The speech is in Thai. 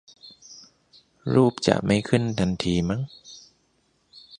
รูปจะไม่ขึ้นทันทีมั้ง